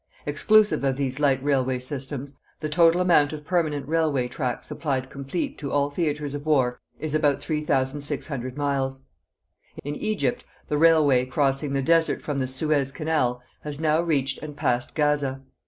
Exclusive of these light railway systems, the total amount of permanent railway track supplied complete to all theatres of war is about 3,600 miles. In Egypt the railway crossing the desert from the Suez Canal has now reached and passed Gaza.